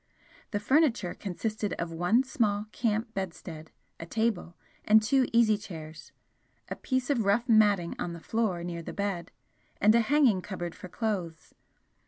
The furniture consisted of one small camp bedstead, a table, and two easy chairs, a piece of rough matting on the floor near the bed, and a hanging cupboard for clothes.